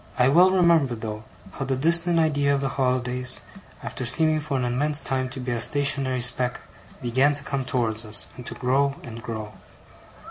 I well remember though, how the distant idea of the holidays, after seeming for an immense time to be a stationary speck, began to come towards us, and to grow and grow.